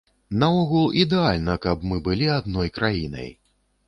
Наогул, ідэальна, калі б мы былі адной краінай.